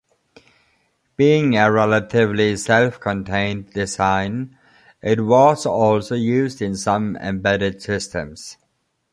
Being a relatively self-contained design, it was also used in some embedded systems.